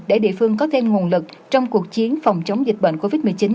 để địa phương có thêm nguồn lực trong cuộc chiến phòng chống dịch bệnh covid một mươi chín